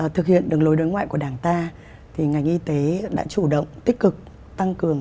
thực hiện đường lối đối ngoại của đảng ta ngành y tế đã chủ động tích cực tăng cường